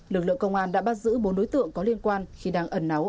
lực lượng công an đã bắt giữ bốn đối tượng có liên quan khi đang ẩn náu